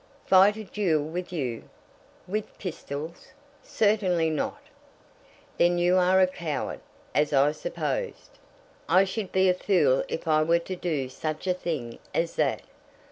"Fight a duel with you, with pistols? Certainly not." "Then you are a coward, as I supposed." "I should be a fool if I were to do such a thing as that."